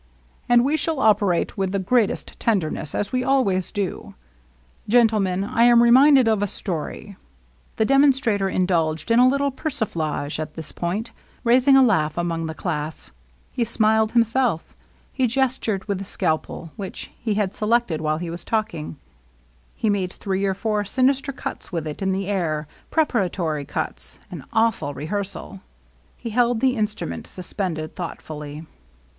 And we shall operate with the greatest tenderness, as we always do. Gentlemen, I am reminded of a story The demonstrator indulged in a little persiflage at this point, raising a laugh among the class; he smiled himself ; he gestured with the scalpel, which he had selected while he was talking ; he made three 84 LOVELINESS. or four sinister cuts with it in the air, preparatory cuts, — an awful rehearsal. He held the instrument suspended, thoughtfully.